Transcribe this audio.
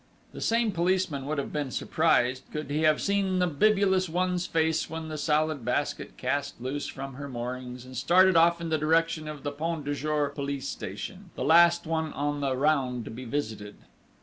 This same policeman would have been surprised, could he have seen the bibulous one's face when the Salad Basket cast loose from her moorings and started off in the direction of the Point du Jour police station, the last on the round to be visited!